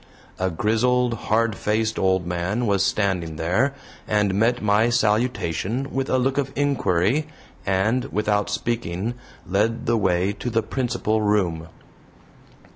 A grizzled, hard faced old man was standing there, and met my salutation with a look of inquiry, and, without speaking, led the way to the principal room.